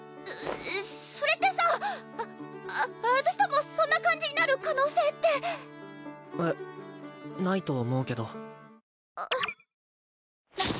それってさあ私ともそんな感じになる可能性ってえっないと思うけどえっ？